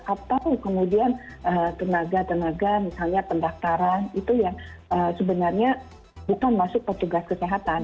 atau kemudian tenaga tenaga misalnya pendaftaran itu yang sebenarnya bukan masuk petugas kesehatan